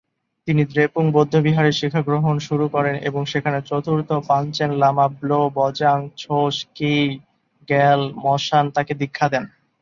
তিনি দ্রেপুং বৌদ্ধবিহারে শিক্ষাগ্রহণ শুরু করেন এবং সেখানে চতুর্থ পাঞ্চেন লামা ব্লো-ব্জাং-ছোস-ক্যি-র্গ্যাল-ম্ত্শান তাকে দীক্ষা দেন।